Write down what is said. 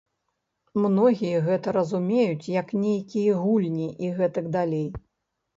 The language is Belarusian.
Многія гэта разумеюць, як нейкія гульні і гэтак далей.